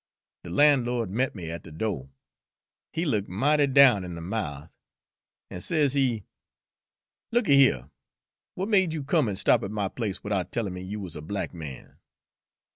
De lan'lo'd met me at de do'; he looked mighty down in de mouth, an' sezee: "'Look a here, w'at made you come an' stop at my place widout tellin' me you wuz a black man?